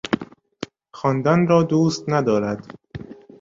خواندن را دوست ندارد.